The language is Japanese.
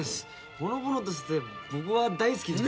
ほのぼのとして僕は大好きです。